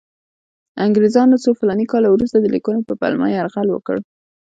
انګریزانو څو فلاني کاله وروسته د لیکونو په پلمه یرغل وکړ.